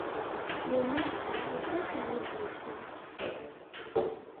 Yumi yesɛa aṭas n yedlisen.